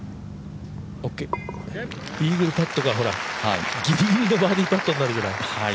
イーグルパットがほら、ギリギリのバーディーパットになるぐらい。